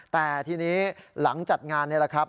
แต่ทีนี้หลังจัดงานนี่แหละครับ